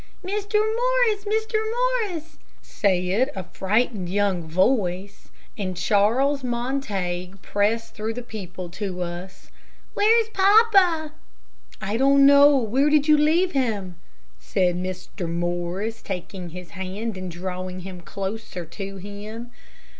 "Mr. Morris! Mr. Morris!" said a frightened voices and young Charlie Montague pressed through the people to us. "Where's papa?" "I don't know. Where did you leave him?" said Mr. Morris, taking his hand and drawing him closer to him.